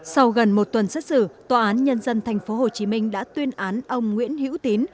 sau gần một tuần xét xử tòa án nhân dân tp hcm đã tuyên án ông nguyễn hữu tín